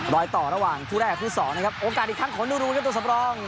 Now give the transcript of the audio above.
รอยต่อระหว่างคู่แรกกับคู่สองนะครับโอกาสอีกครั้งของนูรูครับตัวสำรอง